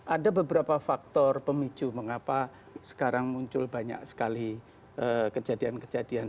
ada beberapa faktor pemicu mengapa sekarang muncul banyak sekali kejadian kejadian